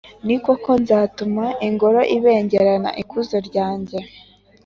ni koko, nzatuma ingoro ibengerana ikuzo ryanjye.